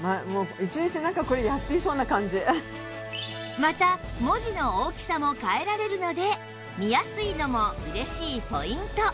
また文字の大きさも変えられるので見やすいのも嬉しいポイント